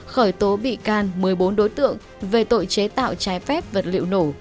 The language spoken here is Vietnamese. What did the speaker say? khởi tố bị can một mươi bốn đối tượng về tội chế tạo trái phép vật liệu nổ